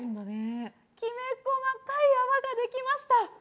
きめ細かい泡ができました。